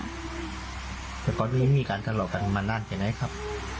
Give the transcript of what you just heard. แต่เขาก็ยังไม่มีการทะเลาะกันมานานที่ไหนครับ